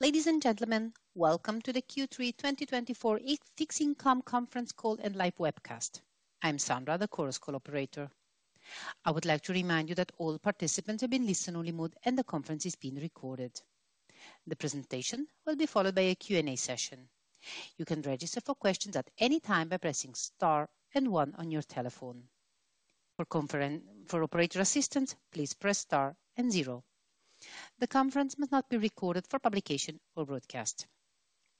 Ladies and gentlemen, welcome to the Q3 2024 Fixed Income Conference Call and live webcast. I'm Sandra, the Chorus Call operator. I would like to remind you that all participants have been listen-only mode, and the conference is being recorded. The presentation will be followed by a Q&A session. You can register for questions at any time by pressing Star and One on your telephone. For operator assistance, please press Star and Zero. The conference must not be recorded for publication or broadcast.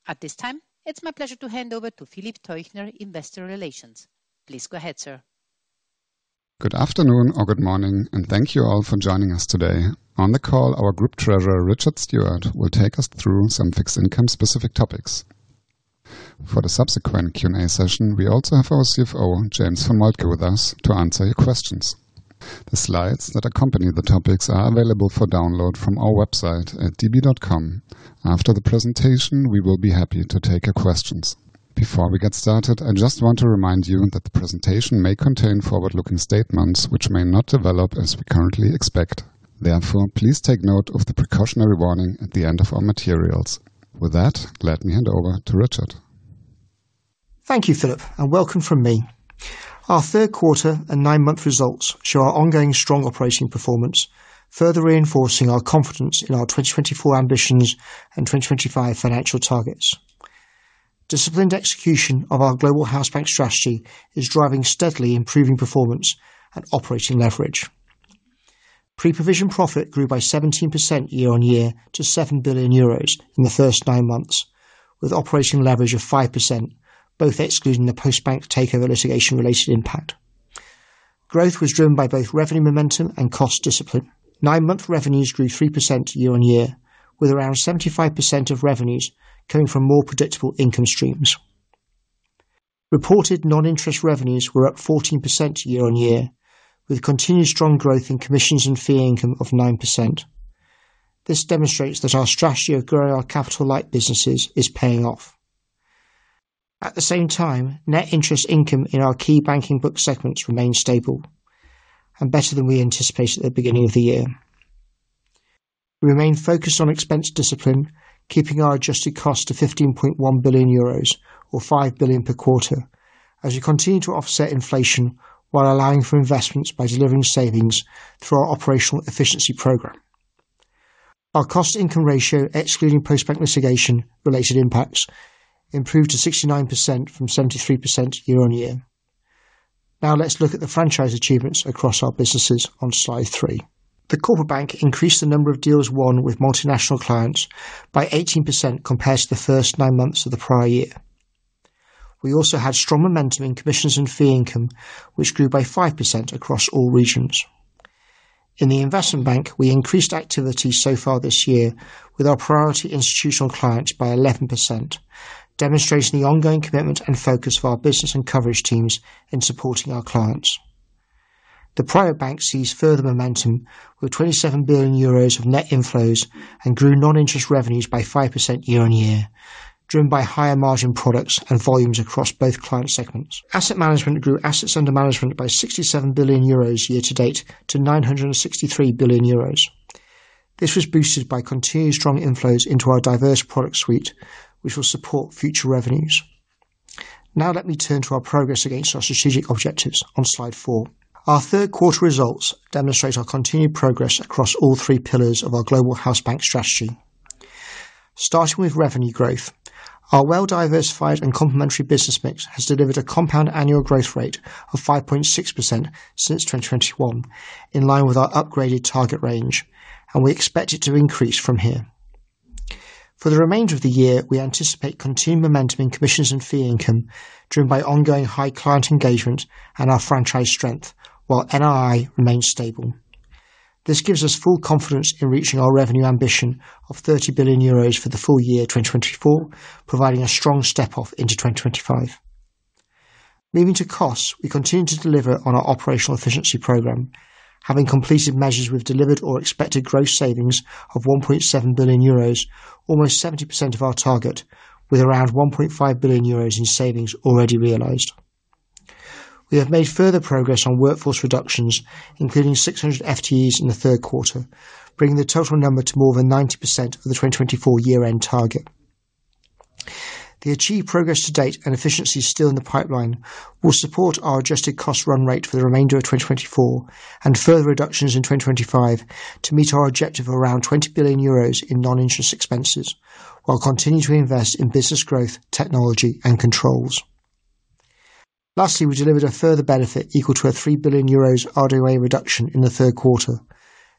At this time, it's my pleasure to hand over to Philipp Teuchner, Investor Relations. Please go ahead, sir. Good afternoon or good morning, and thank you all for joining us today. On the call, our Group Treasurer, Richard Stewart, will take us through some fixed income-specific topics. For the subsequent Q&A session, we also have our CFO, James von Moltke, with us to answer your questions. The slides that accompany the topics are available for download from our website at db.com. After the presentation, we will be happy to take your questions. Before we get started, I just want to remind you that the presentation may contain forward-looking statements which may not develop as we currently expect. Therefore, please take note of the precautionary warning at the end of our materials. With that, let me hand over to Richard. Thank you, Philipp, and welcome from me. Our third quarter and nine-month results show our ongoing strong operating performance, further reinforcing our confidence in our 2024 ambitions and 2025 financial targets. Disciplined execution of our Global Hausbank strategy is driving steadily improving performance and operating leverage. Pre-provision profit grew by 17% year on year to 7 billion euros in the first nine months, with operating leverage of 5%, both excluding the Postbank takeover litigation-related impact. Growth was driven by both revenue momentum and cost discipline. Nine-month revenues grew 3% year on year, with around 75% of revenues coming from more predictable income streams. Reported non-interest revenues were up 14% year on year, with continued strong growth in commissions and fee income of 9%. This demonstrates that our strategy of growing our capital light businesses is paying off. At the same time, net interest income in our key banking book segments remained stable and better than we anticipated at the beginning of the year. We remain focused on expense discipline, keeping our adjusted cost to 15.1 billion euros, or 5 billion per quarter, as we continue to offset inflation while allowing for investments by delivering savings through our operational efficiency program. Our cost-income ratio, excluding Postbank litigation-related impacts, improved to 69% from 73% year on year. Now let's look at the franchise achievements across our businesses on Slide three. The Corporate Bank increased the number of deals won with multinational clients by 18% compared to the first nine months of the prior year. We also had strong momentum in commissions and fee income, which grew by 5% across all regions. In the Investment Bank, we increased activity so far this year with our priority institutional clients by 11%, demonstrating the ongoing commitment and focus of our business and coverage teams in supporting our clients. The Private Bank sees further momentum, with 27 billion euros of net inflows and grew non-interest revenues by 5% year on year, driven by higher margin products and volumes across both client segments. Asset Management grew assets under management by 67 billion euros year to date to 963 billion euros. This was boosted by continued strong inflows into our diverse product suite, which will support future revenues. Now let me turn to our progress against our strategic objectives on Slide 4. Our third quarter results demonstrate our continued progress across all three pillars of our Global Hausbank strategy. Starting with revenue growth, our well-diversified and complementary business mix has delivered a compound annual growth rate of 5.6% since 2021, in line with our upgraded target range, and we expect it to increase from here. For the remainder of the year, we anticipate continued momentum in commissions and fee income, driven by ongoing high client engagement and our franchise strength, while NII remains stable. This gives us full confidence in reaching our revenue ambition of 30 billion euros for the full year 2024, providing a strong step off into 2025. Moving to costs, we continue to deliver on our operational efficiency program. Having completed measures, we've delivered or expected gross savings of 1.7 billion euros, almost 70% of our target, with around 1.5 billion euros in savings already realized. We have made further progress on workforce reductions, including 600 FTEs in the third quarter, bringing the total number to more than 90% for the 2024 year-end target. The achieved progress to date and efficiencies still in the pipeline will support our adjusted cost run rate for the remainder of 2024 and further reductions in 2025 to meet our objective of around 20 billion euros in non-interest expenses, while continuing to invest in business growth, technology and controls. Lastly, we delivered a further benefit equal to a 3 billion euros RWA reduction in the third quarter,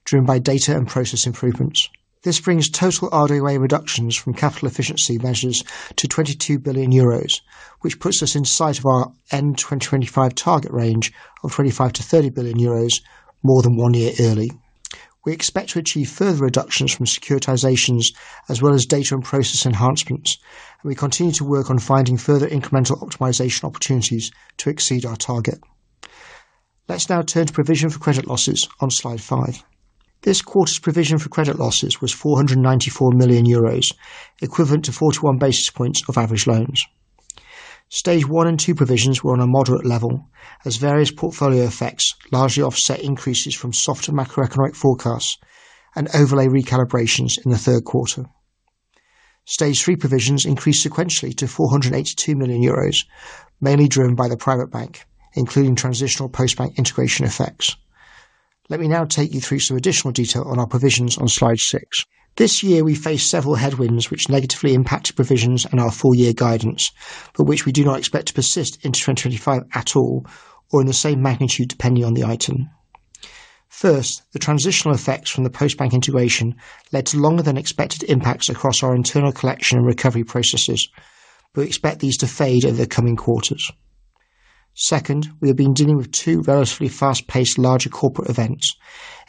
driven by data and process improvements. This brings total RWA reductions from capital efficiency measures to 22 billion euros, which puts us in sight of our end 2025 target range of 25 billion-30 billion euros more than one year early. We expect to achieve further reductions from securitizations as well as data and process enhancements, and we continue to work on finding further incremental optimization opportunities to exceed our target. Let's now turn to provision for credit losses on slide five. This quarter's provision for credit losses was 494 million euros, equivalent to 41 basis points of average loans. Stage 1 and 2 provisions were on a moderate level as various portfolio effects largely offset increases from softer macroeconomic forecasts and overlay recalibrations in the third quarter. Stage 3 provisions increased sequentially to 482 million euros, mainly driven by the Private Bank, including transitional Postbank integration effects. Let me now take you through some additional detail on our provisions on slide six. This year, we faced several headwinds which negatively impacted provisions and our full year guidance, but which we do not expect to persist into 2025 at all, or in the same magnitude, depending on the item. First, the transitional effects from the Postbank integration led to longer than expected impacts across our internal collection and recovery processes. We expect these to fade over the coming quarters. Second, we have been dealing with two relatively fast-paced larger corporate events,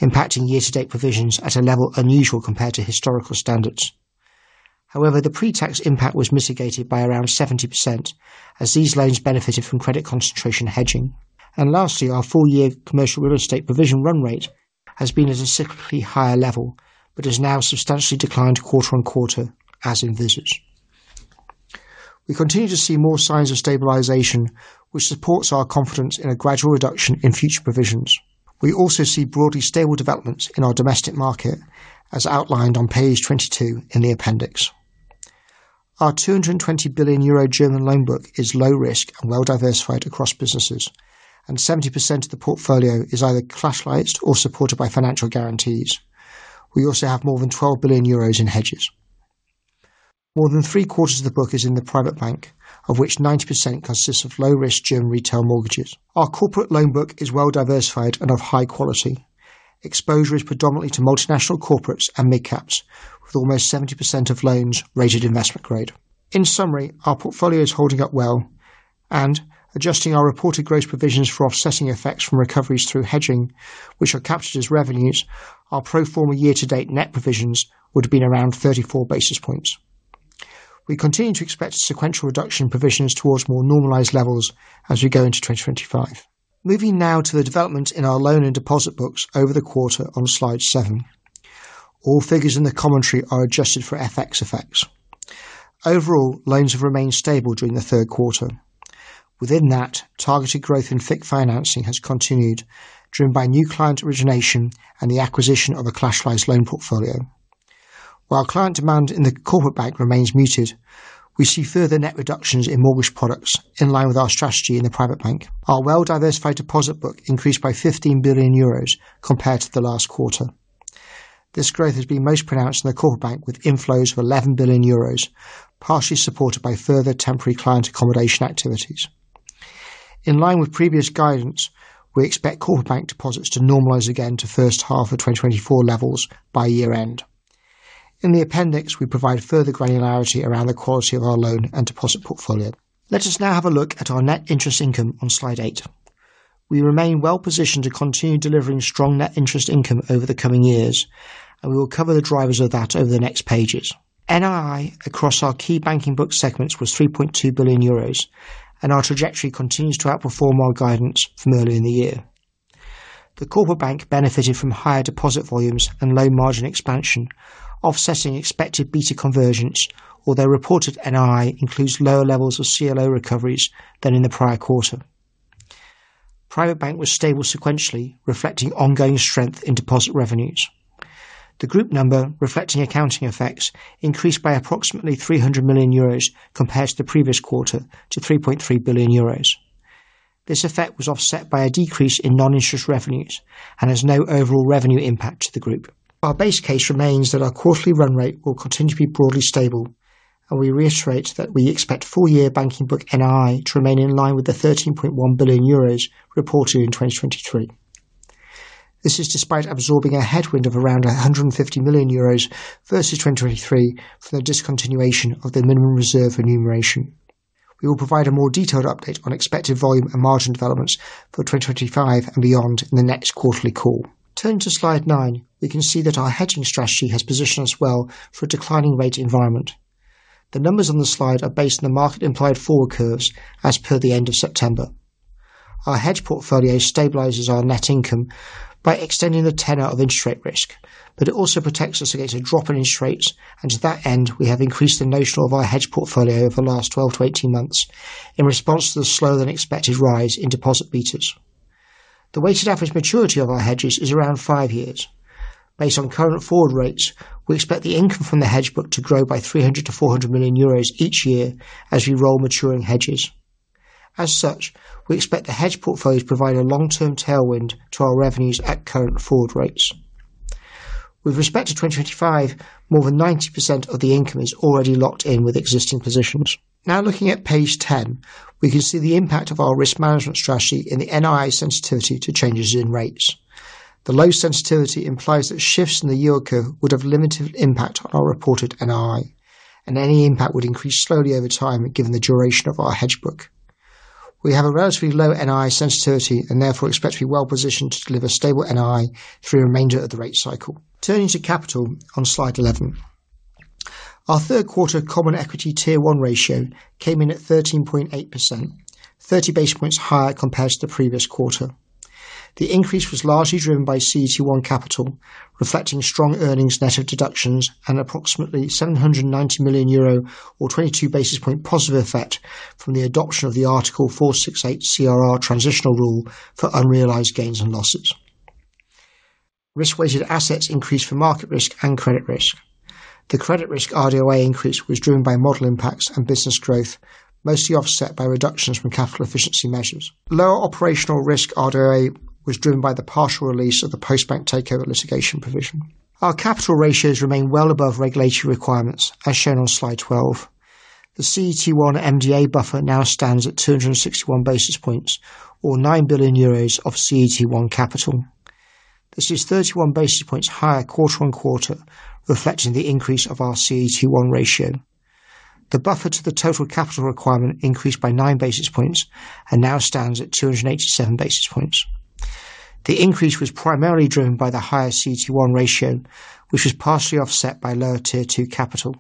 impacting year-to-date provisions at a level unusual compared to historical standards. However, the pre-tax impact was mitigated by around 70% as these loans benefited from credit concentration hedging. And lastly, our full year commercial real estate provision run rate has been at a significantly higher level, but has now substantially declined quarter on quarter, as envisaged. We continue to see more signs of stabilization, which supports our confidence in a gradual reduction in future provisions. We also see broadly stable developments in our domestic market, as outlined on page 22 in the appendix. Our 220 billion euro German loan book is low risk and well diversified across businesses, and 70% of the portfolio is either collateralized or supported by financial guarantees. We also have more than 12 billion euros in hedges. More than three quarters of the book is in the Private Bank, of which 90% consists of low-risk German retail mortgages. Our corporate loan book is well diversified and of high quality. Exposure is predominantly to multinational corporates and midcaps, with almost 70% of loans rated investment grade. In summary, our portfolio is holding up well. Adjusting our reported gross provisions for offsetting effects from recoveries through hedging, which are captured as revenues, our pro forma year-to-date net provisions would have been around 34 basis points. We continue to expect sequential reduction in provisions towards more normalized levels as we go into 2025. Moving now to the development in our loan and deposit books over the quarter on slide 7. All figures in the commentary are adjusted for FX effects. Overall, loans have remained stable during the third quarter. Within that, targeted growth in FICC financing has continued, driven by new client origination and the acquisition of a collateralized loan portfolio. While client demand in the Corporate Bank remains muted, we see further net reductions in mortgage products in line with our strategy in the Private Bank. Our well-diversified deposit book increased by 15 billion euros compared to the last quarter. This growth has been most pronounced in the Corporate Bank, with inflows of 11 billion euros, partially supported by further temporary client accommodation activities. In line with previous guidance, we expect Corporate Bank deposits to normalize again to first half of 2024 levels by year-end. In the appendix, we provide further granularity around the quality of our loan and deposit portfolio. Let us now have a look at our net interest income on slide eight. We remain well-positioned to continue delivering strong net interest income over the coming years, and we will cover the drivers of that over the next pages. NII across our key banking book segments was 3.2 billion euros, and our trajectory continues to outperform our guidance from earlier in the year. The Corporate Bank benefited from higher deposit volumes and low margin expansion, offsetting expected beta convergence, although reported NII includes lower levels of CLO recoveries than in the prior quarter. Private Bank was stable sequentially, reflecting ongoing strength in deposit revenues. The group number, reflecting accounting effects, increased by approximately 300 million euros compared to the previous quarter to 3.3 billion euros. This effect was offset by a decrease in non-interest revenues and has no overall revenue impact to the group. Our base case remains that our quarterly run rate will continue to be broadly stable, and we reiterate that we expect full-year banking book NII to remain in line with the 13.1 billion euros reported in 2023. This is despite absorbing a headwind of around 150 million euros versus 2023 for the discontinuation of the minimum reserve remuneration. We will provide a more detailed update on expected volume and margin developments for 2025 and beyond in the next quarterly call. Turning to slide 9, we can see that our hedging strategy has positioned us well for a declining rate environment. The numbers on the slide are based on the market implied forward curves as per the end of September. Our hedge portfolio stabilizes our net income by extending the tenor of interest rate risk, but it also protects us against a drop in interest rates, and to that end, we have increased the notional of our hedge portfolio over the last 12 to 18 months in response to the slower than expected rise in deposit betas. The weighted average maturity of our hedges is around five years. Based on current forward rates, we expect the income from the hedge book to grow by 300-400 million euros each year as we roll maturing hedges. As such, we expect the hedge portfolio to provide a long-term tailwind to our revenues at current forward rates. With respect to 2025, more than 90% of the income is already locked in with existing positions. Now looking at page 10, we can see the impact of our risk management strategy in the NII sensitivity to changes in rates. The low sensitivity implies that shifts in the yield curve would have limited impact on our reported NII, and any impact would increase slowly over time, given the duration of our hedge book. We have a relatively low NII sensitivity and therefore expect to be well-positioned to deliver stable NII through the remainder of the rate cycle. Turning to capital on slide 11. Our third quarter Common Equity Tier 1 ratio came in at 13.8%... 30 basis points higher compared to the previous quarter. The increase was largely driven by CET1 capital, reflecting strong earnings net of deductions and approximately 790 million euro or 22 basis point positive effect from the adoption of the Article 468 CRR transitional rule for unrealized gains and losses. Risk-weighted assets increased for market risk and credit risk. The credit risk RWA increase was driven by model impacts and business growth, mostly offset by reductions from capital efficiency measures. Lower operational risk RWA was driven by the partial release of the Postbank takeover litigation provision. Our capital ratios remain well above regulatory requirements, as shown on slide 12. The CET1 MDA buffer now stands at 261 basis points or 9 billion euros of CET1 capital. This is 31 basis points higher quarter on quarter, reflecting the increase of our CET1 ratio. The buffer to the total capital requirement increased by 9 basis points and now stands at 287 basis points. The increase was primarily driven by the higher CET1 ratio, which was partially offset by lower Tier 2 capital.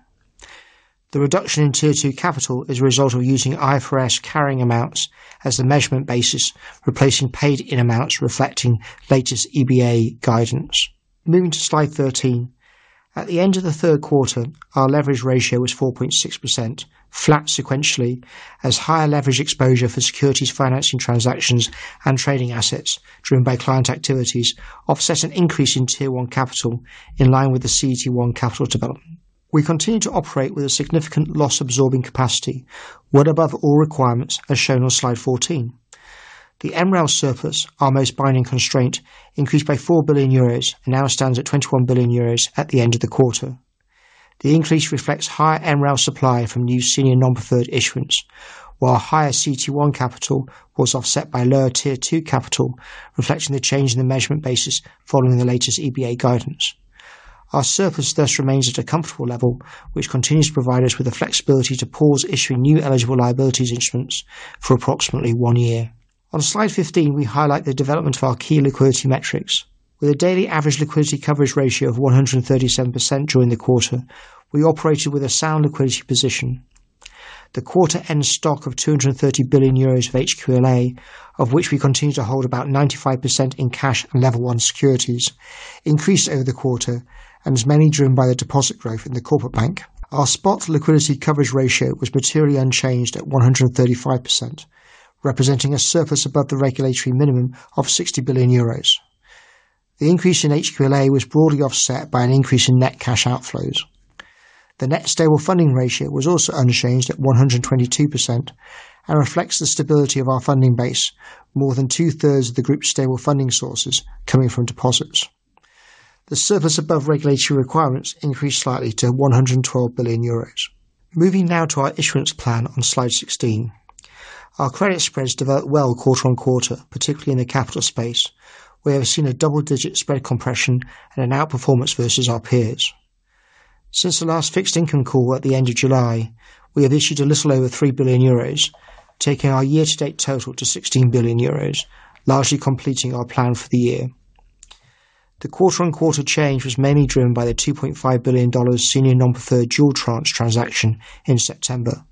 The reduction in Tier 2 capital is a result of using IFRS carrying amounts as the measurement basis, replacing paid-in amounts, reflecting latest EBA guidance. Moving to slide 13. At the end of the third quarter, our leverage ratio was 4.6%, flat sequentially, as higher leverage exposure for securities financing transactions and trading assets driven by client activities offset an increase in Tier 1 capital in line with the CET1 capital development. We continue to operate with a significant loss-absorbing capacity, well above all requirements, as shown on slide 14. The MREL surplus, our most binding constraint, increased by 4 billion euros and now stands at 21 billion euros at the end of the quarter. The increase reflects higher MREL supply from new senior non-preferred issuance, while higher CET1 capital was offset by lower Tier 2 capital, reflecting the change in the measurement basis following the latest EBA guidance. Our surplus thus remains at a comfortable level, which continues to provide us with the flexibility to pause issuing new eligible liabilities instruments for approximately one year. On slide 15, we highlight the development of our key liquidity metrics. With a daily average liquidity coverage ratio of 137% during the quarter, we operated with a sound liquidity position. The quarter-end stock of 230 billion euros of HQLA, of which we continue to hold about 95% in cash and Level 1 securities, increased over the quarter and is mainly driven by the deposit growth in the Corporate Bank. Our spot liquidity coverage ratio was materially unchanged at 135%, representing a surplus above the regulatory minimum of EUR 60 billion. The increase in HQLA was broadly offset by an increase in net cash outflows. The net stable funding ratio was also unchanged at 122% and reflects the stability of our funding base, more than two-thirds of the group's stable funding sources coming from deposits. The surplus above regulatory requirements increased slightly to 112 billion euros. Moving now to our issuance plan on slide 16. Our credit spreads developed well quarter on quarter, particularly in the capital space, where we've seen a double-digit spread compression and an outperformance versus our peers. Since the last fixed income call at the end of July, we have issued a little over 3 billion euros, taking our year-to-date total to 16 billion euros, largely completing our plan for the year. The quarter-on-quarter change was mainly driven by the $2.5 billion senior non-preferred dual tranche transaction in September.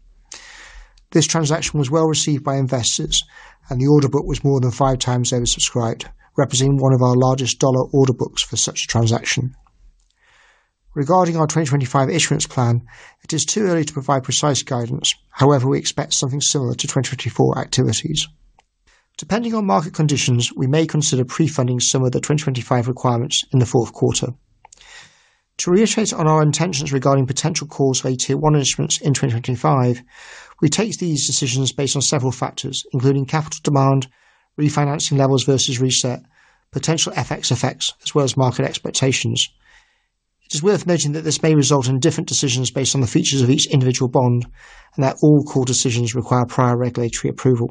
This transaction was well received by investors, and the order book was more than five times oversubscribed, representing one of our largest dollar order books for such a transaction. Regarding our 2025 issuance plan, it is too early to provide precise guidance. However, we expect something similar to 2024 activities. Depending on market conditions, we may consider pre-funding some of the 2025 requirements in the fourth quarter. To reiterate on our intentions regarding potential calls for our Tier 1 instruments in 2025, we take these decisions based on several factors, including capital demand, refinancing levels versus reset, potential FX effects, as well as market expectations. It is worth noting that this may result in different decisions based on the features of each individual bond, and that all call decisions require prior regulatory approval.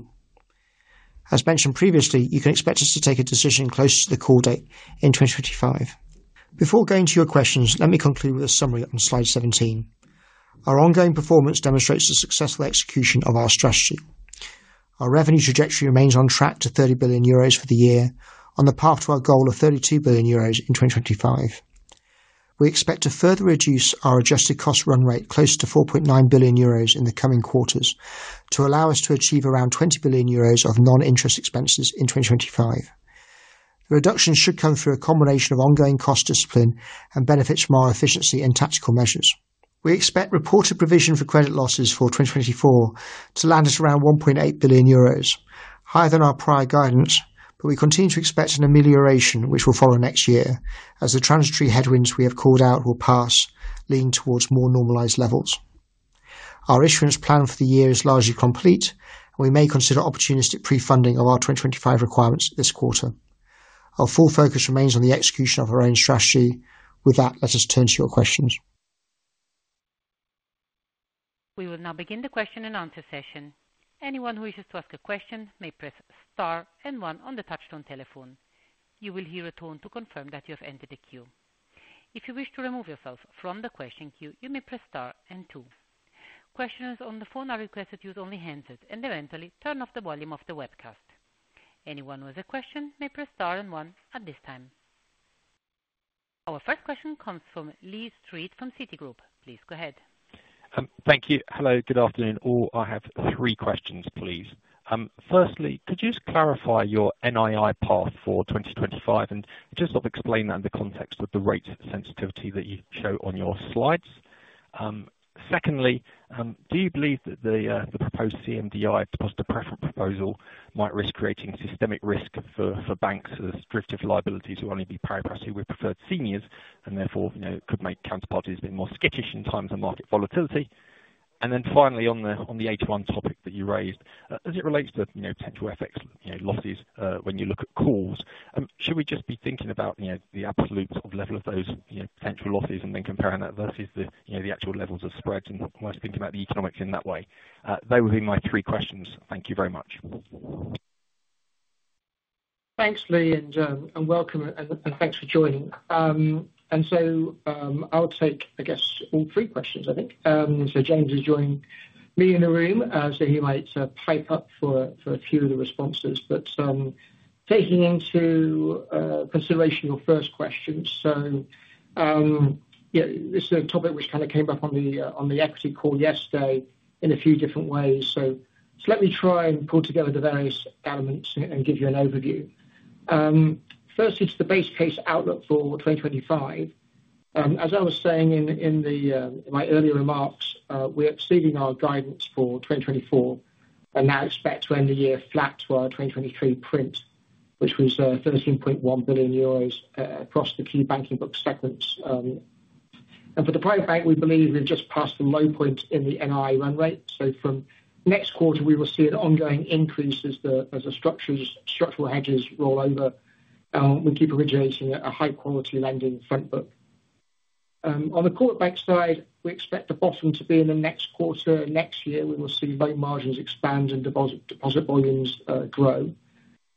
As mentioned previously, you can expect us to take a decision close to the call date in 2025. Before going to your questions, let me conclude with a summary on slide 17. Our ongoing performance demonstrates the successful execution of our strategy. Our revenue trajectory remains on track to 30 billion euros for the year on the path to our goal of 32 billion euros in twenty twenty-five. We expect to further reduce our adjusted cost run rate close to 4.9 billion euros in the coming quarters to allow us to achieve around 20 billion euros of non-interest expenses in twenty twenty-five. The reduction should come through a combination of ongoing cost discipline and benefits from our efficiency and tactical measures. We expect reported provision for credit losses for 2024 to land us around 1.8 billion euros, higher than our prior guidance, but we continue to expect an amelioration which will follow next year as the transitory headwinds we have called out will pass, leading towards more normalized levels. Our issuance plan for the year is largely complete, and we may consider opportunistic pre-funding of our 2025 requirements this quarter. Our full focus remains on the execution of our own strategy. With that, let us turn to your questions. We will now begin the question and answer session. Anyone who wishes to ask a question may press star and one on the touchtone telephone. You will hear a tone to confirm that you have entered the queue. If you wish to remove yourself from the question queue, you may press star and two. Questioners on the phone are requested to use only handsets and eventually turn off the volume of the webcast. Anyone with a question may press star and one at this time. Our first question comes from Lee Street from Citigroup. Please go ahead. Thank you. Hello, good afternoon, all. I have three questions, please. Firstly, could you just clarify your NII path for twenty twenty-five and just sort of explain that in the context of the rate sensitivity that you show on your slides? Secondly, do you believe that the proposed CMDI deposit preference proposal might risk creating systemic risk for banks as derivative liabilities will only be pari passu with preferred seniors, and therefore, you know, could make counterparties a bit more skittish in times of market volatility? And then finally, on the AT1 topic that you raised, as it relates to, you know, potential FX, you know, losses, when you look at calls, should we just be thinking about, you know, the absolute sort of level of those, you know, potential losses and then comparing that versus the, you know, the actual levels of spreads and worth thinking about the economics in that way? Those would be my three questions. Thank you very much. Thanks, Lee, and welcome and thanks for joining. I'll take, I guess, all three questions, I think. James has joined me in the room, so he might pipe up for a few of the responses. But taking into consideration your first question. So yeah, this is a topic which kind of came up on the equity call yesterday in a few different ways. So let me try and pull together the various elements and give you an overview. Firstly, to the base case outlook for 2025, as I was saying in my earlier remarks, we're exceeding our guidance for 2024 and now expect to end the year flat to our 2023 print, which was 13.1 billion euros across the key banking book segments. For the Private Bank, we believe we've just passed the low point in the NII run rate. So from next quarter, we will see an ongoing increase as the structural hedges roll over, we keep originating a high quality lending front book. On the Corporate Bank side, we expect the bottom to be in the next quarter. Next year, we will see loan margins expand and deposit volumes grow.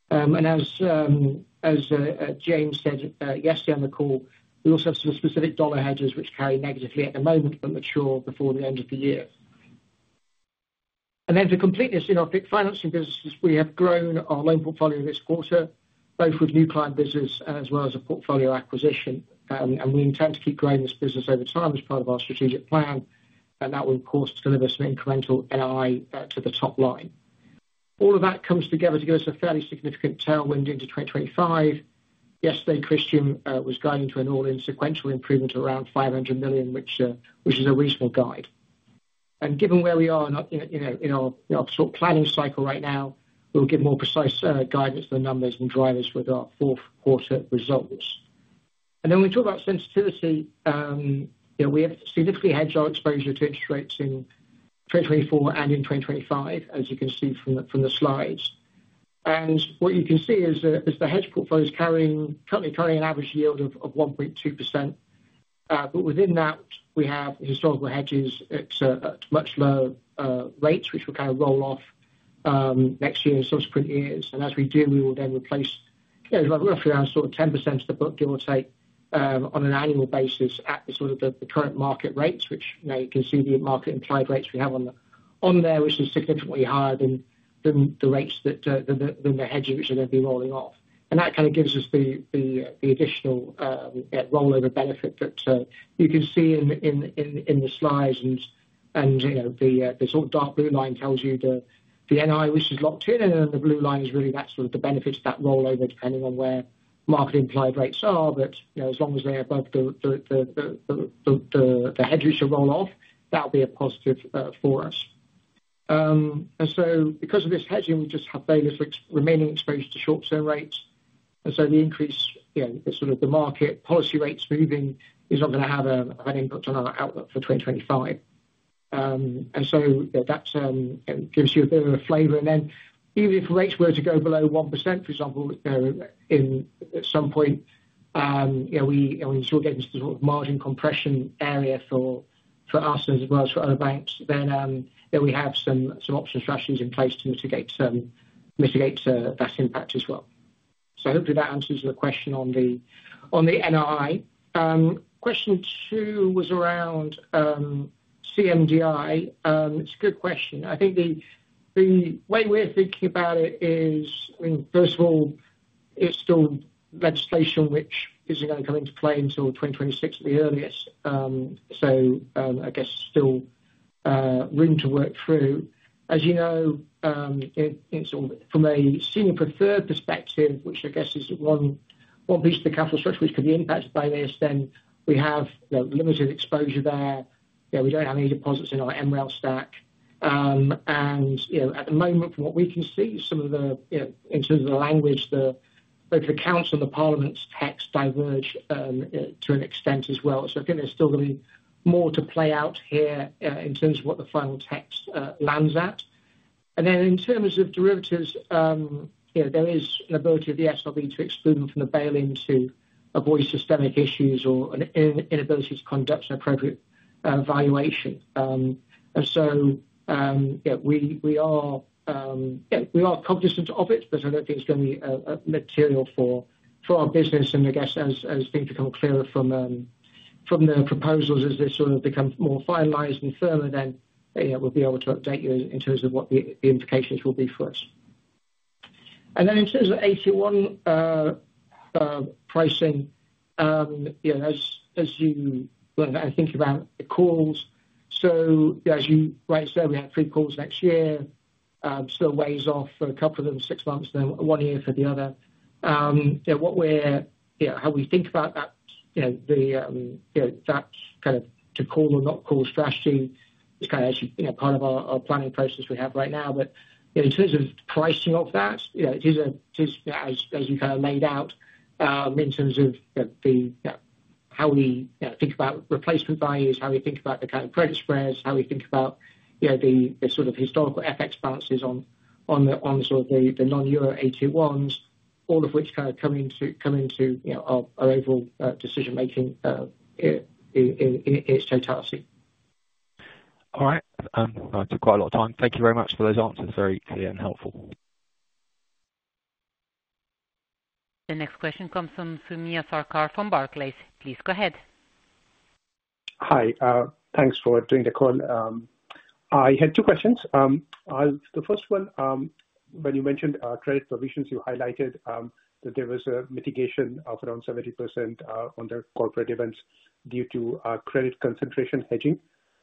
And as James said yesterday on the call, we also have some specific dollar hedges which carry negatively at the moment, but mature before the end of the year. And then to completeness, you know, I think financing businesses, we have grown our loan portfolio this quarter, both with new client business as well as a portfolio acquisition. And we intend to keep growing this business over time as part of our strategic plan, and that will, of course, deliver some incremental NII to the top line. All of that comes together to give us a fairly significant tailwind into 2025. Yesterday, Christian was guiding to an all-in sequential improvement around 500 million, which is a reasonable guide. And given where we are in our, you know, in our, our sort of planning cycle right now, we'll give more precise guidance to the numbers and drivers with our fourth quarter results. And then when we talk about sensitivity, you know, we have significantly hedged our exposure to interest rates in 2024 and in 2025, as you can see from the slides. And what you can see is the hedge portfolio is carrying currently an average yield of 1.2%. But within that, we have historical hedges at much lower rates, which will kind of roll off next year and subsequent years. As we do, we will then replace, you know, roughly around sort of 10% of the book, give or take, on an annual basis at the sort of the current market rates, which, you know, you can see the market implied rates we have on the, on there, which is significantly higher than the rates that the hedges are going to be rolling off. And that kind of gives us the additional rollover benefit that you can see in the slides and, you know, the sort of dark blue line tells you the NII, which is locked in, and then the blue line is really that sort of the benefits of that rollover, depending on where market implied rates are. But, you know, as long as they're above the hedges that roll off, that'll be a positive for us. And so because of this hedging, we just have very little remaining exposure to short-term rates. And so the increase, you know, sort of the market policy rates moving is not going to have an input on our outlook for 2025. And so that gives you a bit of a flavor. And then even if rates were to go below 1%, for example, at some point, you know, we sort of get into the sort of margin compression area for us as well as for other banks, then we have some option strategies in place to mitigate that impact as well. So hopefully that answers your question on the NII. Question two was around CMDI. It's a good question. I think the way we're thinking about it is, I mean, first of all, it's still legislation which isn't going to come into play until 2026 at the earliest. So I guess still room to work through. As you know, it's all from a senior preferred perspective, which I guess is one piece of the capital structure which could be impacted by this, then we have, you know, limited exposure there. You know, we don't have any deposits in our MREL stack. And, you know, at the moment, from what we can see, some of the, you know, in terms of the language, the, like, the council and the parliament's text diverge to an extent as well. So I think there's still going to be more to play out here in terms of what the final text lands at. And then in terms of derivatives, you know, there is an ability of the SRB to exclude them from the bail-in to avoid systemic issues or an inability to conduct an appropriate valuation. And so, yeah, we are cognizant of it, but I don't think it's going to be material for our business. I guess as things become clearer from the proposals, as they sort of become more finalized and firmer, then, yeah, we'll be able to update you in terms of what the implications will be for us. Then in terms of AT1 pricing, you know, as you learn and think about the calls, so as you rightly said, we have three calls next year, still ways off for a couple of them, six months, then one year for the other. Yeah, what we're, you know, how we think about that, you know, that kind of to call or not call strategy is kind of actually, you know, part of our planning process we have right now. But, in terms of pricing of that, you know, it is a, just as, as you kind of laid out, in terms of the, you know, how we, you know, think about replacement values, how we think about the kind of credit spreads, how we think about, you know, the sort of historical FX balances on sort of the non-euro AT1s, all of which kind of come into, you know, our overall decision making, in its entirety. All right. I took quite a lot of time. Thank you very much for those answers. Very clear and helpful. The next question comes from Sumit Sarkar from Barclays. Please go ahead. Hi. Thanks for doing the call. I had two questions. The first one, when you mentioned credit provisions, you highlighted that there was a mitigation of around 70% on the corporate events due to credit concentration hedging.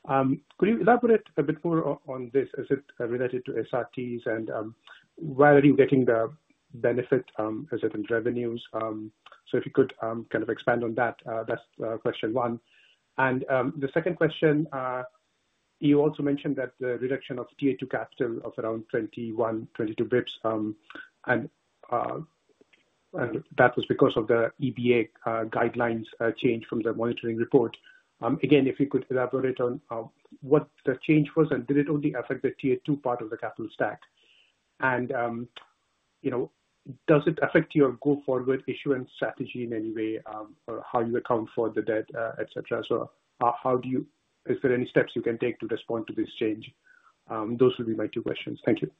Could you elaborate a bit more on this? Is it related to SRTs and where are you getting the benefit as in revenues? So if you could kind of expand on that, that's question one. And the second question, you also mentioned that the reduction of Tier 2 capital of around 21-22 basis points and that was because of the EBA guidelines change from the monitoring report. Again, if you could elaborate on what the change was, and did it only affect the Tier 2 part of the capital stack? And, you know, does it affect your go-forward issuance strategy in any way, or how you account for the debt, et cetera? So how do you... Is there any steps you can take to respond to this change? Those would be my two questions. Thank you.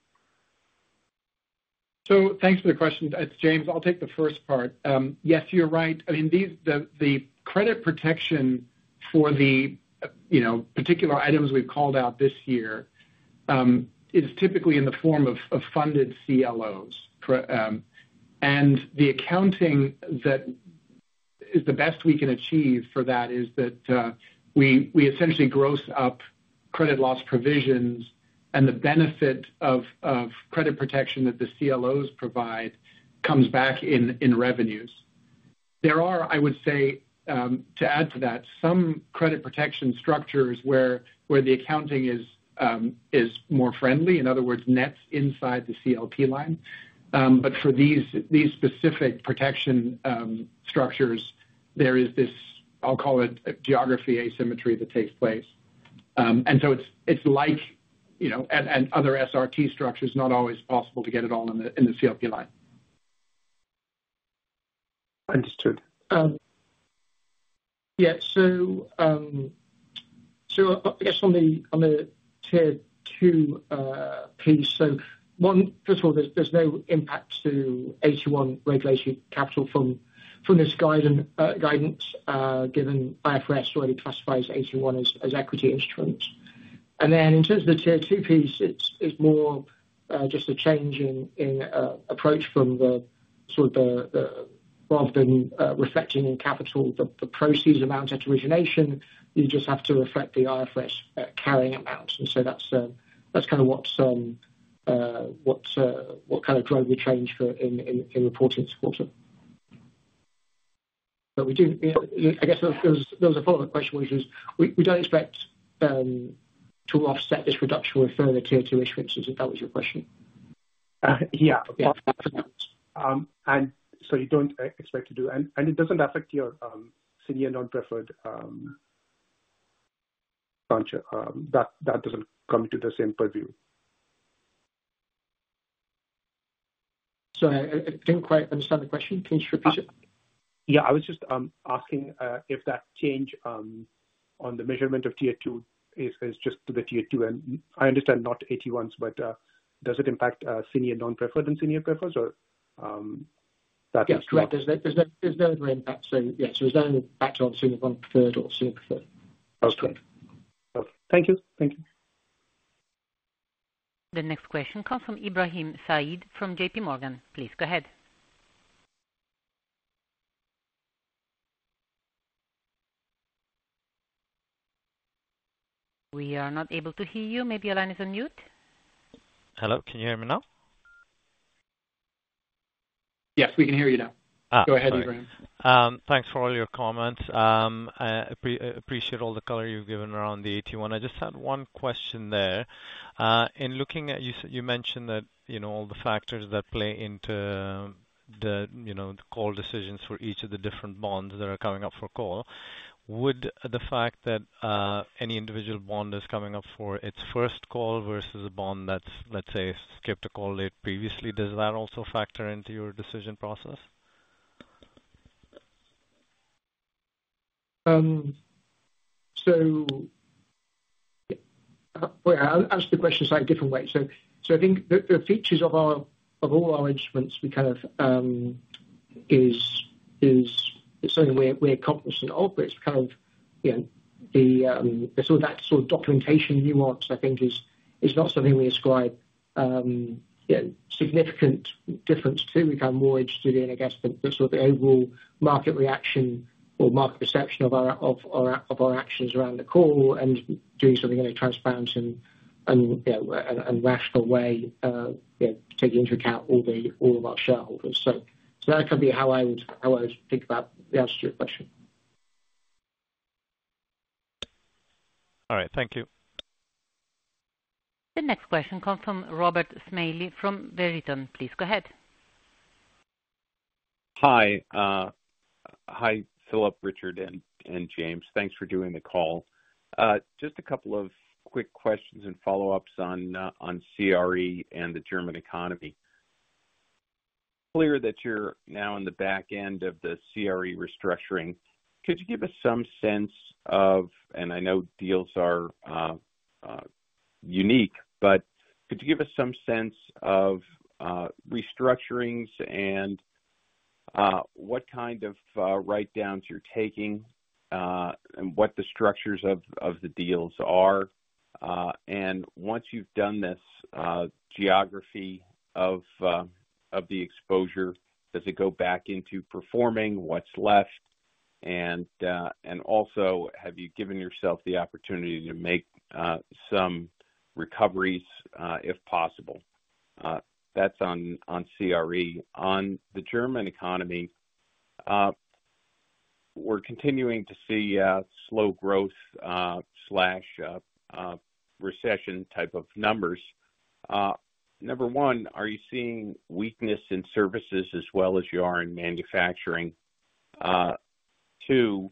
So thanks for the question. It's James. I'll take the first part. Yes, you're right. I mean, these, the credit protection for the, you know, particular items we've called out this year, is typically in the form of funded CLOs. And the accounting that is the best we can achieve for that is that, we essentially gross up credit loss provisions, and the benefit of credit protection that the CLOs provide comes back in revenues. There are, I would say, to add to that, some credit protection structures where the accounting is more friendly, in other words, nets inside the CLP line. But for these specific protection structures, there is this, I'll call it a geography asymmetry that takes place. So it's like, you know, and other SRT structures, not always possible to get it all in the CLP line. Understood. Yeah. So, I guess on the Tier 2 piece, first of all, there's no impact to AT1 regulatory capital from this guidance, given IFRS already classifies AT1 as equity instruments. And then in terms of the Tier 2 piece, it's more just a change in approach from the sort of the... Rather than reflecting in capital, the proceeds amounts at origination, you just have to reflect the IFRS carrying amounts. And so that's kind of what's what kind of driver we change for in reporting this quarter. But we do, you know, I guess there was a follow-up question, which was we don't expect to offset this reduction with further Tier 2 issuances, if that was your question. Uh, yeah. Yeah. And so you don't expect to do. And it doesn't affect your senior non-preferred tranche, that doesn't come into the same purview? Sorry, I didn't quite understand the question. Can you repeat it? Yeah, I was just asking if that change on the measurement of Tier 2 is just to the Tier 2, and I understand not AT1s, but does it impact senior non-preferred and senior preferred or that is- Yeah, correct. There's no impact. So yeah, there's only impact on senior non-preferred or senior preferred. Understood. Thank you. Thank you. The next question comes from Ibrahim Saeed from JPMorgan. Please go ahead. We are not able to hear you. Maybe your line is on mute. Hello, can you hear me now? Yes, we can hear you now. Ah, all right. Go ahead, Ibrahim. Thanks for all your comments. Appreciate all the color you've given around the AT1. I just had one question there. In looking at, you said you mentioned that, you know, all the factors that play into the, you know, the call decisions for each of the different bonds that are coming up for call. Would the fact that any individual bond is coming up for its first call versus a bond that's, let's say, skipped a call late previously, does that also factor into your decision process? Well, I'll answer the question slightly different way. So I think the features of all our instruments we kind of is something we're cognizant of, but it's kind of you know, the sort of that sort of documentation nuance, I think, is not something we ascribe you know, significant difference to. We become more interested in, I guess, the sort of the overall market reaction or market perception of our actions around the call and doing something in a transparent and you know, and rational way, you know, taking into account all of our shareholders. So that could be how I would think about the answer to your question. All right. Thank you. The next question comes from Robert Smalley from Verition. Please go ahead. Hi. Hi, Philipp, Richard, and James. Thanks for doing the call. Just a couple of quick questions and follow-ups on CRE and the German economy. Clear that you're now in the back end of the CRE restructuring. Could you give us some sense of... And I know deals are unique, but could you give us some sense of restructurings and what kind of write-downs you're taking and what the structures of the deals are? And once you've done this, geography of the exposure, does it go back into performing what's left? And also, have you given yourself the opportunity to make some recoveries if possible? That's on CRE. On the German economy, we're continuing to see slow growth slash recession type of numbers. Number one, are you seeing weakness in services as well as you are in manufacturing? Two,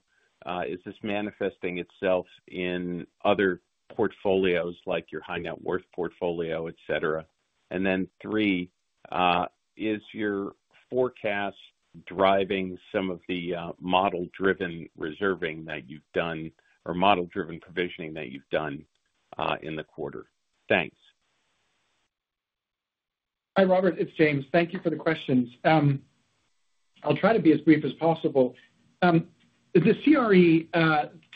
is this manifesting itself in other portfolios, like your high net worth portfolio, et cetera? And then three, is your forecast driving some of the model-driven reserving that you've done, or model-driven provisioning that you've done in the quarter? Thanks. Hi, Robert. It's James. Thank you for the questions. I'll try to be as brief as possible. The CRE,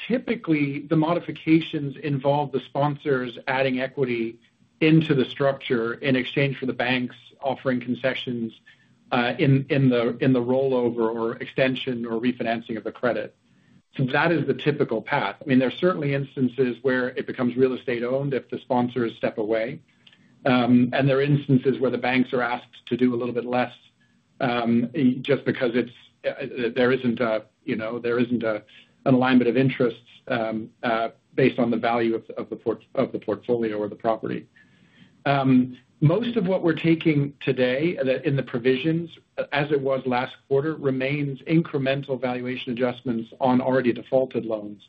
typically, the modifications involve the sponsors adding equity into the structure in exchange for the banks offering concessions in the rollover or extension or refinancing of the credit. So that is the typical path. I mean, there are certainly instances where it becomes real estate owned if the sponsors step away. And there are instances where the banks are asked to do a little bit less, just because it's there isn't a, you know, an alignment of interests based on the value of the portfolio or the property. Most of what we're taking today in the provisions, as it was last quarter, remains incremental valuation adjustments on already defaulted loans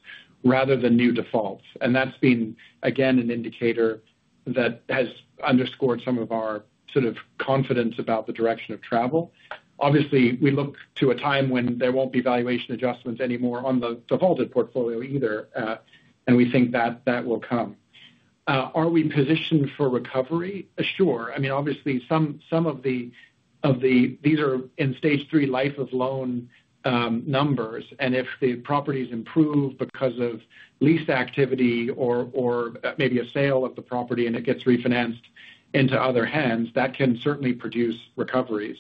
rather than new defaults. And that's been, again, an indicator that has underscored some of our sort of confidence about the direction of travel. Obviously, we look to a time when there won't be valuation adjustments anymore on the defaulted portfolio either, and we think that that will come. Are we positioned for recovery? Sure. I mean, obviously, some of the, these are in Stage 3 life of loan numbers, and if the properties improve because of lease activity or maybe a sale of the property and it gets refinanced into other hands, that can certainly produce recoveries.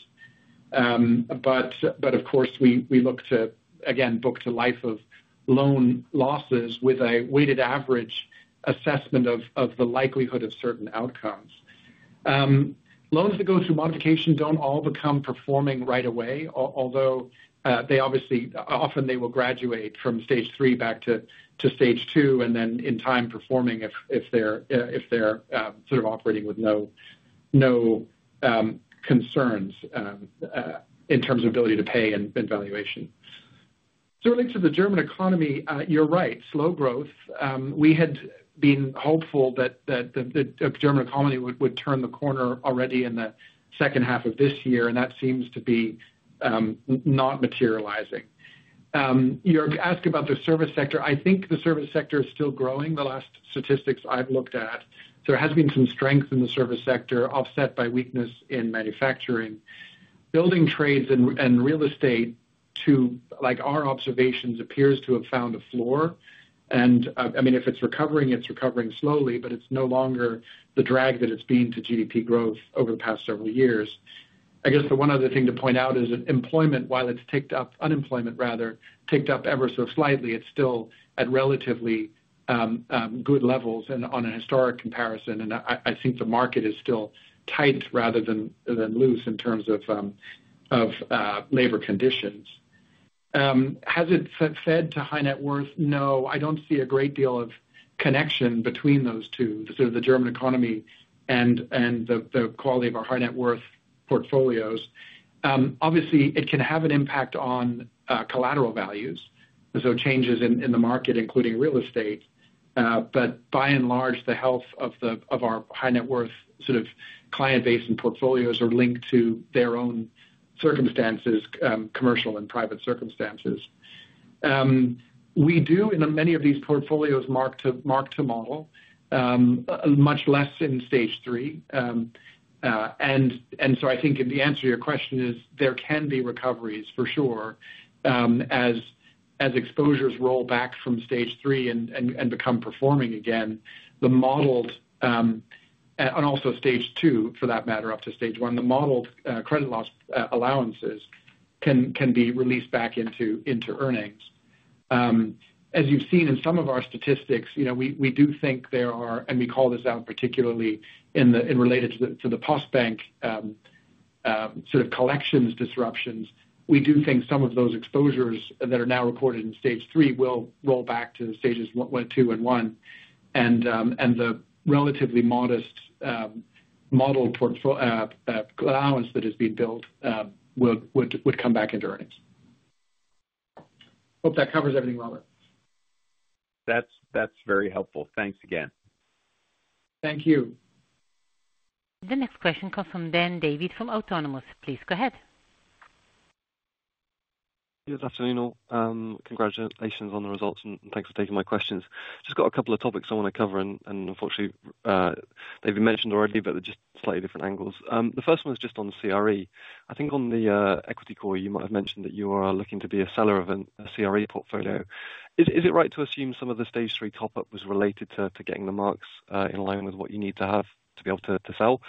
But of course, we look to, again, book lifetime loan losses with a weighted average assessment of the likelihood of certain outcomes. Loans that go through modification don't all become performing right away, although they obviously. Often they will graduate from Stage 3 back to Stage 2, and then in time performing if they're sort of operating with no concerns in terms of ability to pay and valuation. So in line with the German economy, you're right, slow growth. We had been hopeful that the German economy would turn the corner already in the second half of this year, and that seems to be not materializing. You're asking about the service sector. I think the service sector is still growing, the last statistics I've looked at. There has been some strength in the service sector, offset by weakness in manufacturing. Building trades and real estate too, like our observations, appears to have found a floor. And I mean, if it's recovering, it's recovering slowly, but it's no longer the drag that it's been to GDP growth over the past several years. I guess the one other thing to point out is that employment, while it's ticked up, unemployment rather, ticked up ever so slightly, it's still at relatively good levels and on a historic comparison, and I think the market is still tight rather than loose in terms of of labor conditions. Has it fed to high net worth? No, I don't see a great deal of connection between those two, the German economy and the quality of our high net worth portfolios. Obviously, it can have an impact on collateral values, and so changes in the market, including real estate, but by and large, the health of our high net worth sort of client base and portfolios are linked to their own circumstances, commercial and private circumstances. We do, in many of these portfolios, mark to model, much less in Stage 3. So I think the answer to your question is, there can be recoveries for sure, as-... As exposures roll back from Stage 3 and become performing again, the modeled and also Stage 2 for that matter, up to Stage 1, the modeled credit loss allowances can be released back into earnings. As you've seen in some of our statistics, you know, we do think there are, and we call this out particularly in the in related to the Postbank sort of collections disruptions. We do think some of those exposures that are now recorded in Stage 3 will roll back to stages two and one, and the relatively modest modeled portfolio allowance that has been built would come back into earnings. Hope that covers everything, Robert. That's, that's very helpful. Thanks again. Thank you. The next question comes from Dan David from Autonomous Research. Please go ahead. Good afternoon, all. Congratulations on the results, and thanks for taking my questions. Just got a couple of topics I wanna cover, and unfortunately, they've been mentioned already, but they're just slightly different angles. The first one is just on CRE. I think on the equity core, you might have mentioned that you are looking to be a seller of a CRE portfolio. Is it right to assume some of the Stage 3 top-up was related to getting the marks in line with what you need to have to be able to sell?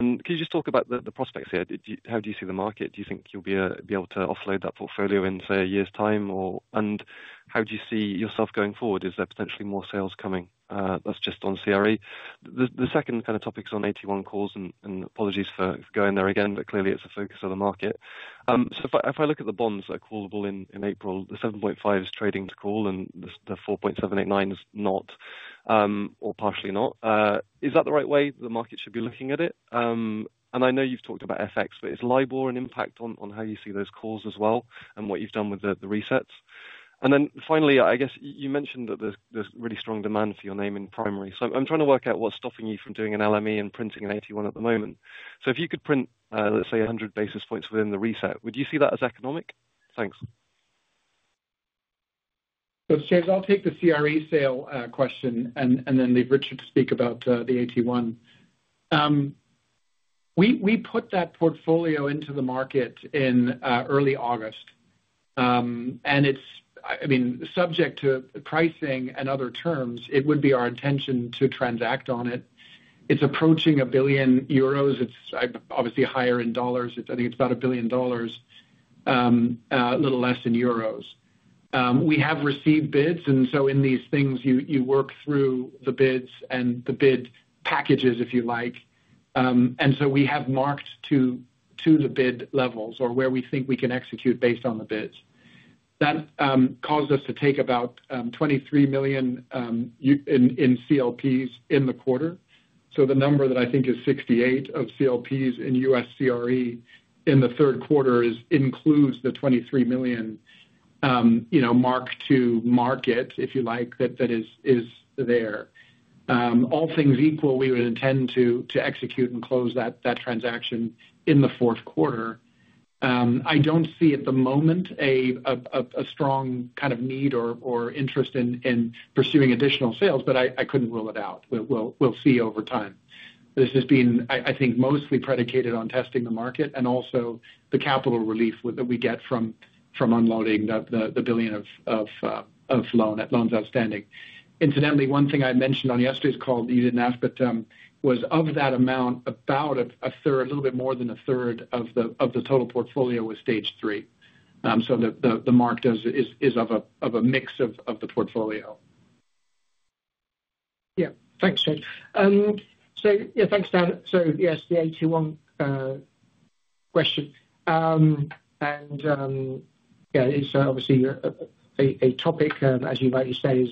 And can you just talk about the prospects here? How do you see the market? Do you think you'll be able to offload that portfolio in, say, a year's time, or, and how do you see yourself going forward? Is there potentially more sales coming? That's just on CRE. The second kind of topic is on AT1 calls, and apologies for going there again, but clearly it's the focus of the market. So if I look at the bonds that are callable in April, the 7.5 is trading to call and the 4.789 is not, or partially not. Is that the right way the market should be looking at it? And I know you've talked about FX, but is LIBOR an impact on how you see those calls as well, and what you've done with the resets? And then finally, I guess you mentioned that there's really strong demand for your name in primary. So I'm trying to work out what's stopping you from doing an LME and printing an AT1 at the moment. So if you could print, let's say one hundred basis points within the reset, would you see that as economic? Thanks. So James, I'll take the CRE sale question and then leave Richard to speak about the AT1. We put that portfolio into the market in early August. And it's... I mean, subject to pricing and other terms, it would be our intention to transact on it. It's approaching 1 billion euros. It's obviously higher in dollars. It's, I think it's about $1 billion, a little less in euros. We have received bids, and so in these things, you work through the bids and the bid packages, if you like. And so we have marked to the bid levels or where we think we can execute based on the bids. That caused us to take about 23 million in CLPs in the quarter. So the number that I think is 68 of CLPs in U.S. CRE in the third quarter includes the $23 million, you know, mark to market, if you like, that is there. All things equal, we would intend to execute and close that transaction in the fourth quarter. I don't see at the moment a strong kind of need or interest in pursuing additional sales, but I couldn't rule it out. We'll see over time. This has been, I think, mostly predicated on testing the market and also the capital relief that we get from unloading the $1 billion of loans outstanding. Incidentally, one thing I mentioned on yesterday's call, you didn't ask, but was of that amount, about a third, a little bit more than a third of the total portfolio was Stage 3. So the mark is of a mix of the portfolio. Yeah. Thanks, James. So yeah, thanks, Dan. So yes, the AT1 question. And yeah, it's obviously a topic as you rightly say,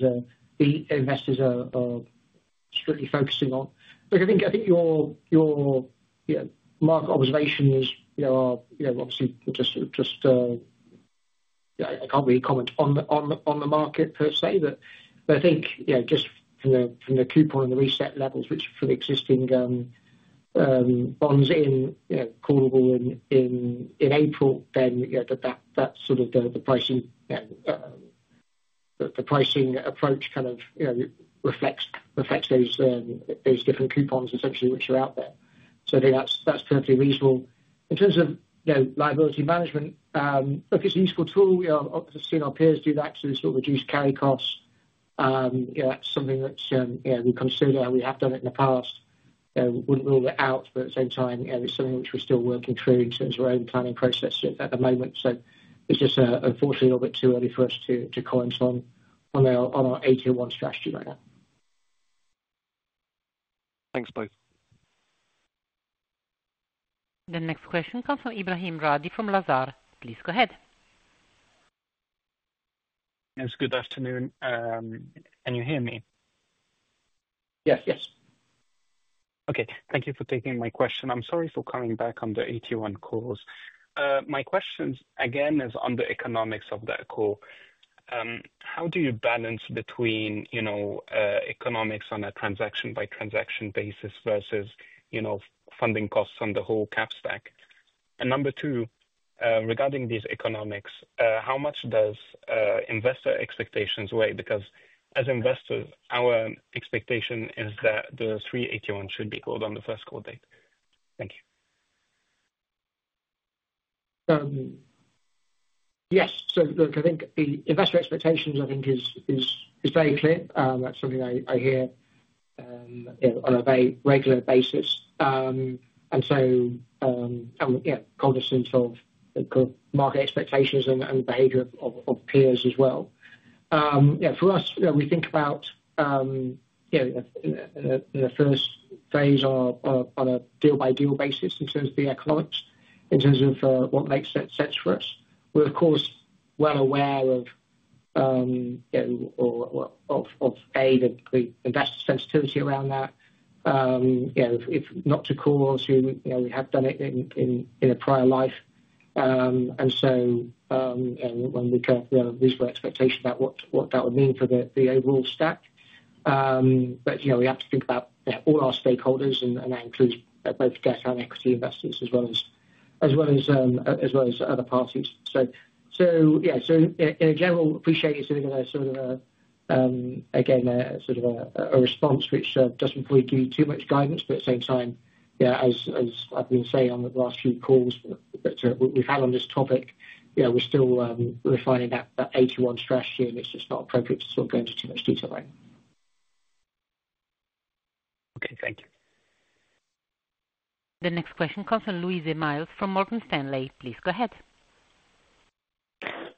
the investors are strictly focusing on. But I think your market observations, you know, are, you know, obviously just I can't really comment on the market per se, but I think, you know, just from the coupon and the reset levels, which for the existing bonds, you know, callable in April, then, you know, that's sort of the pricing, the pricing approach kind of, you know, reflects those different coupons essentially, which are out there. So I think that's perfectly reasonable. In terms of, you know, liability management, look, it's a useful tool. We've obviously seen our peers do that to sort of reduce carry costs. Yeah, that's something we consider and we have done it in the past. Wouldn't rule it out, but at the same time, yeah, it's something which we're still working through in terms of our own planning process at the moment. So it's just, unfortunately, a little bit too early for us to comment on our AT1 strategy right now. Thanks, both. The next question comes from Ibrahim Radi from Lazard. Please go ahead. Yes, good afternoon. Can you hear me? Yes. Yes. Okay. Thank you for taking my question. I'm sorry for coming back on the AT1 calls. My question, again, is on the economics of that call. How do you balance between, you know, economics on a transaction-by-transaction basis versus, you know, funding costs on the whole cap stack? And number two, regarding these economics, how much does investor expectations weigh? Because as investors, our expectation is that the three AT1 should be called on the first call date. Thank you.... Yes. So look, I think the investor expectations, I think, is very clear. That's something I hear on a very regular basis. And yeah, cognizant of the kind of market expectations and behavior of peers as well. Yeah, for us, you know, we think about you know, in the first phase on a deal-by-deal basis in terms of the economics, in terms of what makes sense for us. We're, of course, well aware of the investor sensitivity around that. You know, if not to call, you know, we have done it in a prior life. And so, when we kind of, you know, reasonable expectation about what that would mean for the overall stack. But, you know, we have to think about all our stakeholders, and that includes both debt and equity investors, as well as other parties. So yeah. So in general, appreciate you sending that sort of response which doesn't really give you too much guidance, but at the same time, yeah, as I've been saying on the last few calls that we've had on this topic, you know, we're still refining that AT1 strategy, and it's just not appropriate to sort of go into too much detail right now. Okay, thank you. The next question comes from Louisa Myles from Morgan Stanley. Please go ahead.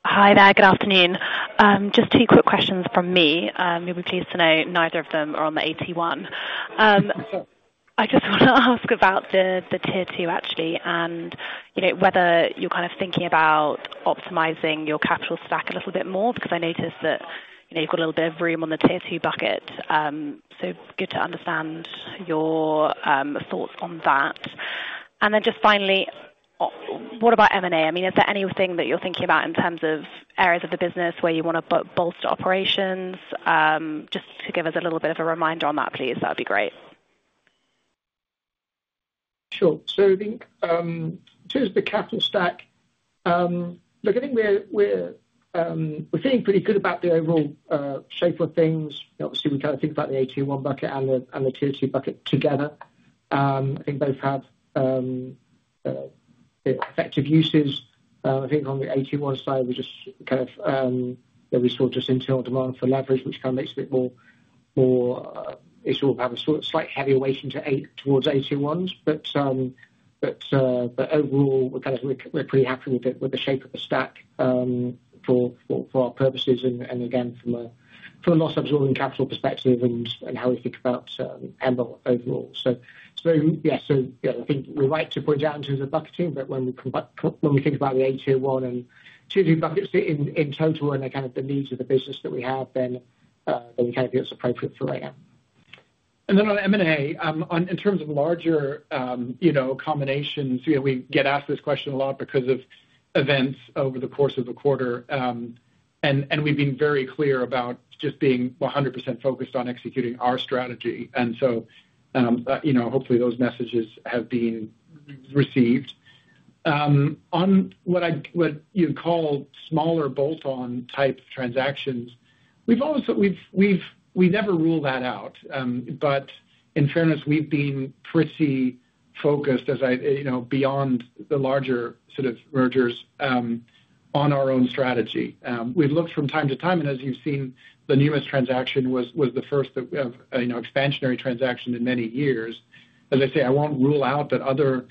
Hi there. Good afternoon. Just two quick questions from me. You'll be pleased to know neither of them are on the AT1. I just want to ask about the Tier 2, actually, and, you know, whether you're kind of thinking about optimizing your capital stack a little bit more, because I noticed that, you know, you've got a little bit of room on the Tier 2 bucket. So good to understand your thoughts on that. And then just finally, what about M&A? I mean, is there anything that you're thinking about in terms of areas of the business where you want to bolster operations? Just to give us a little bit of a reminder on that, please, that'd be great. Sure. So I think in terms of the capital stack, look, I think we're feeling pretty good about the overall shape of things. Obviously, we kind of think about the AT1 bucket and the Tier 2 bucket together. I think both have effective uses. I think on the AT1 side, we just kind of there we saw just internal demand for leverage, which kind of makes it more. It sort of have a sort of slight heavier weighting to a... towards AT1s. But overall, we're kind of we're pretty happy with the shape of the stack for our purposes, and again, from a loss absorbing capital perspective and how we think about M&A overall. So yeah. So, yeah, I think we're right to point out in terms of bucketing, but when we think about the AT1 and Tier 2 buckets in total and the kind of needs of the business that we have, then we kind of think it's appropriate for right now. And then on M&A, in terms of larger, you know, combinations, you know, we get asked this question a lot because of events over the course of a quarter. And we've been very clear about just being 100% focused on executing our strategy. And so, you know, hopefully, those messages have been received. On what you'd call smaller bolt-on type transactions, we've always... we never ruled that out. But in fairness, we've been pretty focused, as I... you know, beyond the larger sort of mergers, on our own strategy. We've looked from time to time, and as you've seen, the newest transaction was the first of, you know, expansionary transaction in many years. As I say, I won't rule out that other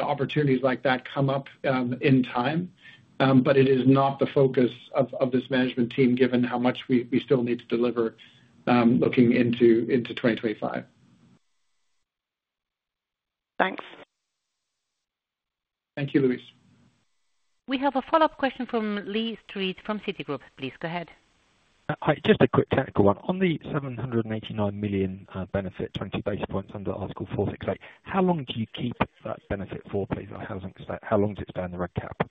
opportunities like that come up in time. But it is not the focus of this management team, given how much we still need to deliver, looking into twenty twenty-five. Thanks. Thank you, Louise. We have a follow-up question from Lee Street from Citigroup. Please go ahead. Hi. Just a quick technical one. On the 789 million benefit, 20 basis points under Article 468, how long do you keep that benefit for, please? I haven't... How long does it stay on the reg cap?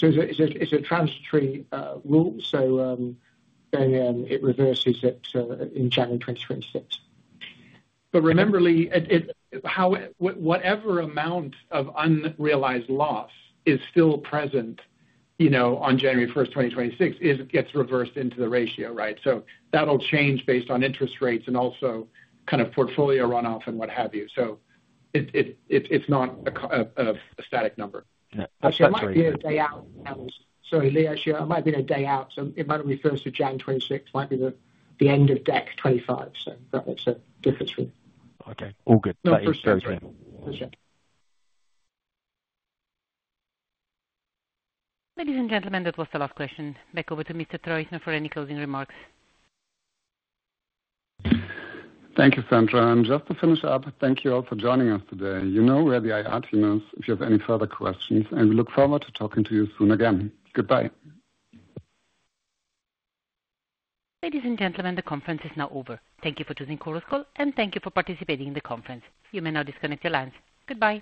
It's a transitory rule, so it reverses it in January 2026. But remember, Lee, whatever amount of unrealized loss is still present, you know, on 01/01/2026, it gets reversed into the ratio, right? So that'll change based on interest rates and also kind of portfolio runoff and what have you. So it's not a static number. Yeah. Actually, it might be a day out. Sorry, Lee, actually, I might be a day out, so it might not be first of January 2026. It might be the end of December 2025. So that's a difference for you. Okay. All good. Yeah. For sure. That's right. For sure. Ladies and gentlemen, that was the last question. Back over to Mr. Teuchner for any closing remarks. Thank you, Sandra, and just to finish up, thank you all for joining us today. You know where the IR team is if you have any further questions, and we look forward to talking to you soon again. Goodbye. Ladies and gentlemen, the conference is now over. Thank you for choosing Chorus Call, and thank you for participating in the conference. You may now disconnect your lines. Goodbye.